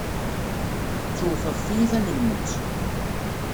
Tettewteḍ tiyita n lmut.